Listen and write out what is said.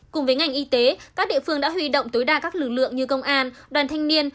cùng với ngành y tế các địa phương đã huy động tối đa các lực lượng như công an đoàn thanh niên